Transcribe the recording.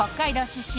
出身